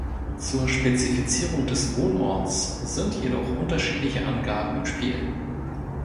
Zur Spezifizierung des Wohnorts sind jedoch unterschiedliche Angaben im Spiel.